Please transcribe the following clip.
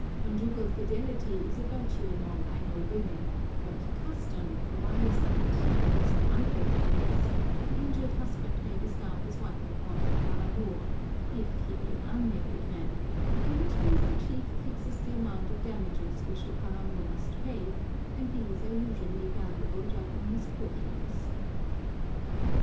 Conjugal fidelity is a virtue among Aino women; but "custom" provides that, in case of unfaithfulness, the injured husband may bestow his wife upon her paramour, if he be an unmarried man; in which case the chief fixes the amount of damages which the paramour must pay; and these are usually valuable Japanese curios.